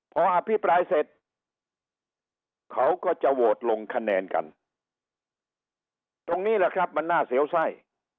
พออภิปรายเสร็จเขาก็จะโหวตลงคะแนนกันตรงนี้แหละครับมันน่าเสียวไส้